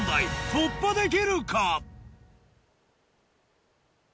突破できるか？